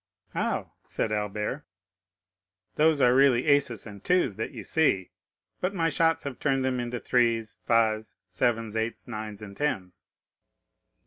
"How?" said Albert. "Those are really aces and twos which you see, but my shots have turned them into threes, fives, sevens, eights, nines, and tens."